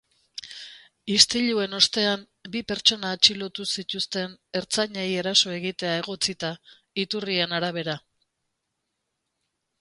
Istiluen ostean bi pertsona atxilotu zituzten ertzainei eraso egitea egotzita, iturrien arabera.